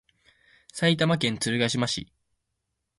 埼玉県鶴ヶ島市